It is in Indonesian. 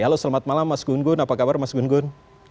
halo selamat malam mas gun gun apa kabar mas gun gun